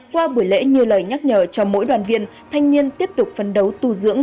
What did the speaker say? qua buổi lễ như lời nhắc nhở cho mỗi đoàn viên thanh niên tiếp tục phấn đấu tu dưỡng